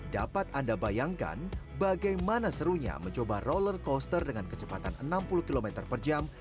dapat anda bayangkan bagaimana serunya mencoba roller coaster dengan kecepatan enam puluh km per jam